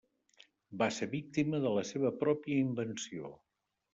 Va ser víctima de la seva pròpia invenció.